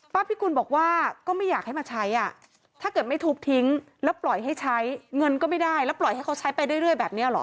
พิกุลบอกว่าก็ไม่อยากให้มาใช้อ่ะถ้าเกิดไม่ทุบทิ้งแล้วปล่อยให้ใช้เงินก็ไม่ได้แล้วปล่อยให้เขาใช้ไปเรื่อยแบบนี้เหรอ